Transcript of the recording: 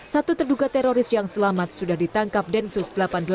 satu terduga teroris yang selamat sudah ditangkap densus delapan puluh delapan